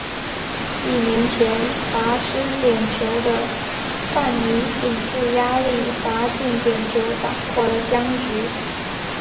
一年前罚失点球的范尼顶住压力罚进点球打破了僵局。